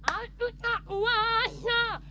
aku tak kuasa